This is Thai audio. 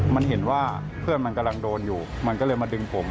มันเห็นว่าเพื่อนมันกำลังโดนอยู่มันก็เลยมาดึงผม